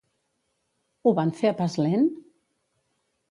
Ho van fer a pas lent?